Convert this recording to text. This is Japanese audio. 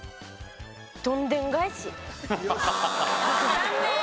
残念。